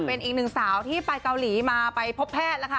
เป็นอีกหนึ่งสาวที่ไปเกาหลีมาไปพบแพทย์แล้วค่ะ